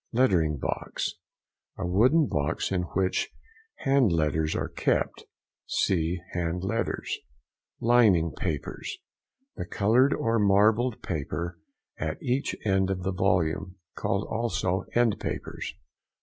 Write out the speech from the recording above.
LETTERING BOX.—A wooden box in which hand letters are kept (see HAND LETTERS). LINING PAPERS.—The coloured or marbled paper at each end of the volume. Called also end papers.